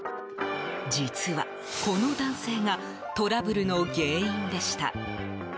実は、この男性がトラブルの原因でした。